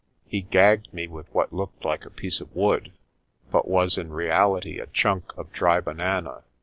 He gagged me with what looked like a piece of wood, but was in reality a chunk of dry banana.